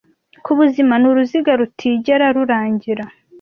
Kubuzima ni uruziga rutigera rurangira